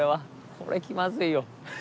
これ気まずいよ。